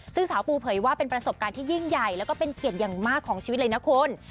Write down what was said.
ซึ่งสาวปูเผยว่าเป็นประสบการณ์ที่ยิ่งใหญ่แล้วก็เป็นเกียรติอย่างมากของชีวิตเลยนะคุณ